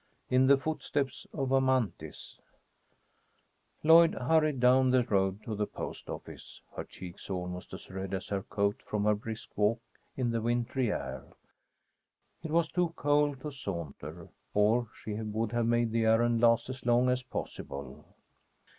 IN THE FOOTSTEPS OF AMANTHIS LLOYD hurried down the road to the post office, her cheeks almost as red as her coat from her brisk walk in the wintry air. It was too cold to saunter, or she would have made the errand last as long as possible.